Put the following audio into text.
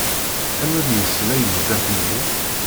Anwa deg-sen ay n Dda Ḥemmu?